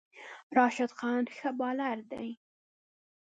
راشد خان ښه بالر دی